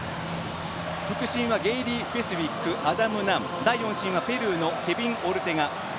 副審はゲイリー・ベスウィックアダム・ナン第４審はペルーのケビン・オルテガ。